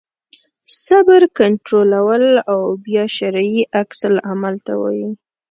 صبر کنټرول او بیا شرعي عکس العمل ته وایي.